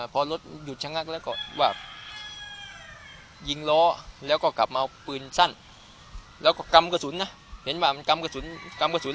พอรถหยุดชะงักแล้วก็ว่ายิงล้อแล้วก็กลับมาเอาปืนสั้น